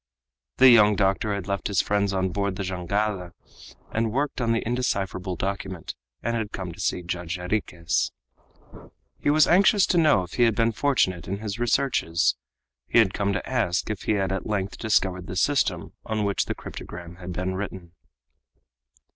The young doctor had left his friends on board the jangada at work on the indecipherable document, and had come to see Judge Jarriquez. He was anxious to know if he had been fortunate in his researches. He had come to ask if he had at length discovered the system on which the cryptogram had been written.